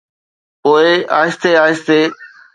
پوءِ آهستي آهستي.